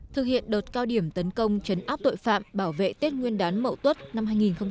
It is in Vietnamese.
thực hiện đột cao điểm tấn công chấn áp tội phạm bảo vệ tết nguyên đán mậu tuất năm hai nghìn một mươi tám